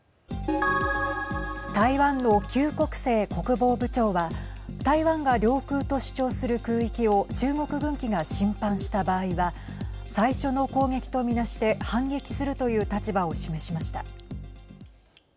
台湾の邱国正国防部長は台湾が領空と主張する空域を中国軍機が侵犯した場合は最初の攻撃と見なして反撃するという立場を示しました。